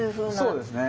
そうですね。